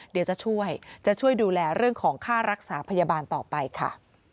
เดี๋ยวจะช่วยจะช่วยดูแลเรื่องของค่ารักษาพยาบาลต่อไปค่ะ